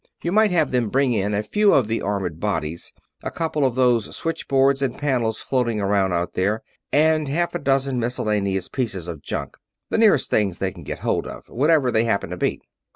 You might have them bring in a few of the armored bodies, a couple of those switchboards and panels floating around out there, and half a dozen miscellaneous pieces of junk the nearest things they get hold of, whatever they happen to be."